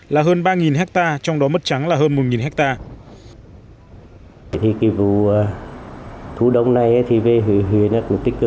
là hơn ba hectare lúa bị thiệt hại